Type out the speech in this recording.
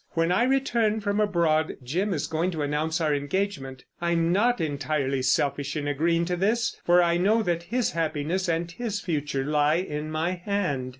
When I return from abroad Jim is going to announce our engagement. I'm not entirely selfish in agreeing to this; for I know that his happiness and his future lie in my hand."